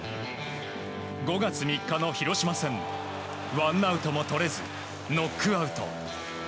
５月３日の広島戦ワンアウトもとれずノックアウト。